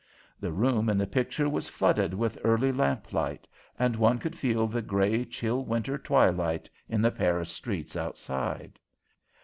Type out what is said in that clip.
The room in the picture was flooded with early lamp light, and one could feel the grey, chill winter twilight in the Paris streets outside.